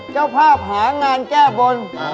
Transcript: เจ้าภาพหางานแก้บน